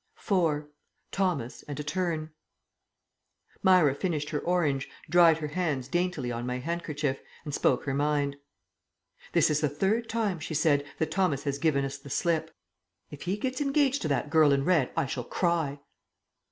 IV. THOMAS, AND A TURN Myra finished her orange, dried her hands daintily on my handkerchief, and spoke her mind. "This is the third time," she said, "that Thomas has given us the slip. If he gets engaged to that girl in red I shall cry."